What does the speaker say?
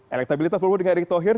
elektabilitas prabowo dengan erick thohir